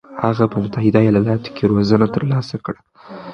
هغه په متحده ایالاتو کې روزنه ترلاسه کړه.